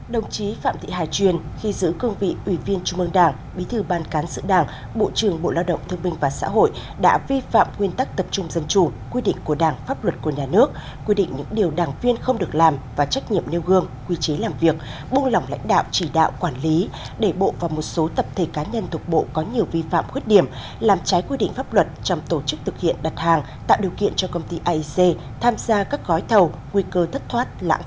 đồng chí phạm thị hải truyền khi giữ cương vị ủy viên trung mương đảng bí thư ban cán sự đảng bộ trưởng bộ lao động thương minh và xã hội đã vi phạm nguyên tắc tập trung dân chủ quy định của đảng pháp luật của nhà nước quy định về những điều đảng viên không được làm và trách nhiệm nêu gương quy chế làm việc buông lỏng lãnh đạo chỉ đạo quản lý đệ bộ và một số tập thể cá nhân thuộc bộ có nhiều vi phạm khuyết điểm làm trái quy định pháp luật trong tổ chức thực hiện đặt hàng tạo điều kiện cho công ty aec tham gia các gói thầu nguy cơ thất